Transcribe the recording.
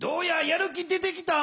やる気出てきた？